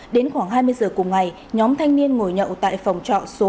đến khoảng hai mươi giờ cùng ngày nhóm thanh niên ngồi nhậu tại phòng trọ số một